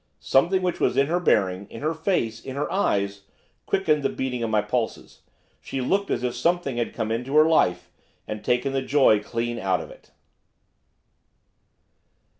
Something which was in her bearing, in her face, in her eyes, quickened the beating of my pulses, she looked as if something had come into her life, and taken the joy clean out of it.